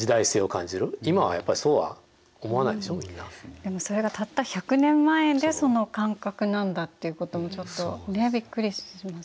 でもそれがたった１００年前でその感覚なんだっていうこともちょっとねびっくりしますよね。